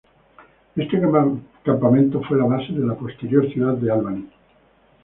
Este campamento fue la base de la posterior ciudad de Albany.